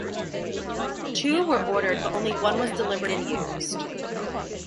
Two were ordered but only one was delivered and used.